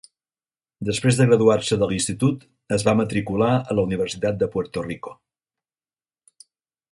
Després de graduar-se de l'institut, es va matricular a la Universitat de Puerto Rico.